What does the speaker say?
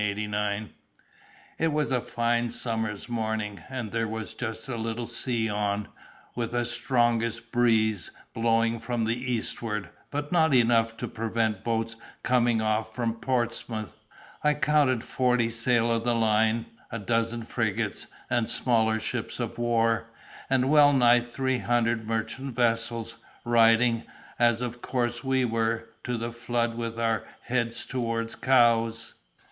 It was a fine summer's morning, and there was just a little sea on, with a strongish breeze blowing from the eastward, but not enough to prevent boats coming off from Portsmouth. I counted forty sail of the line, a dozen frigates and smaller ships of war, and well nigh three hundred merchant vessels, riding, as of course we were, to the flood with our heads towards Cowes.